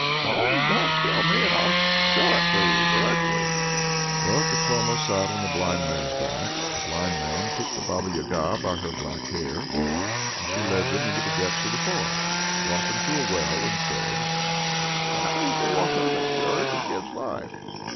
"Only don't kill me, and I'll show it you directly!" Well, Katoma sat on the blind man's back. The blind man took the Baba Yaga by her back hair, and she led them into the depths of the forest, brought them to a well, and said "That is the water that cures and gives life."